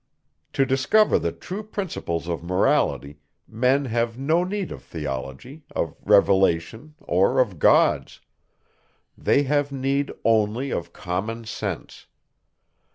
To discover the true principles of Morality, men have no need of theology, of revelation, or of gods: They have need only of common sense.